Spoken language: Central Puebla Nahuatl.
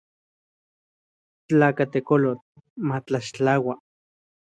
Tlakatekolotl matetlaxtlaua.